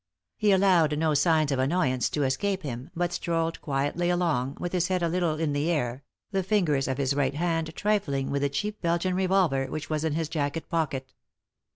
He allowed no signs of annoyance to escape him, but strolled quietly along, with his head a little in the air, the fingers of his right hand trifling with the cheap Belgian revolver which was in his jacket pocket.